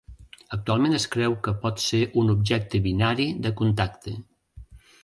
Actualment es creu que pot ser un objecte binari de contacte.